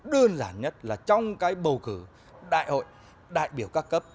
đơn giản nhất là trong cái bầu cử đại hội đại biểu các cấp